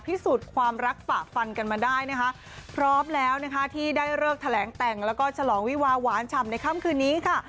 พิสูจน์ความรักฝ่าฟันกันมาได้นะคะพร้อมแล้วนะคะที่ได้เลิกแถลงแต่งแล้วก็ฉลองวิวาหวานฉ่ำในค่ำคืนนี้ค่ะ